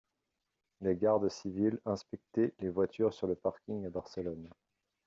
Les gardes civils inspectaient les voitures sur le parking à Barcelone.